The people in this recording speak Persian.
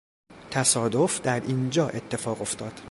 تصادف در اینجا اتفاق افتاد.